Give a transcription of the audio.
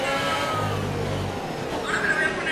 Están cubiertos por la taiga al norte y al noreste.